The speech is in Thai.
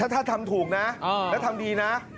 ถ้าทำถูกนะแล้วทำดีนะ